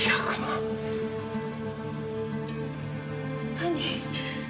何？